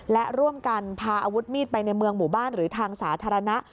และร่วมกันพาอาวุธมีดไปในเมืองหมู่บ้านหรือทางสาธารณะ